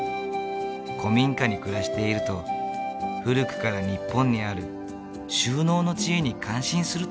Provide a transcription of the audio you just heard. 古民家に暮らしていると古くから日本にある収納の知恵に感心すると言う。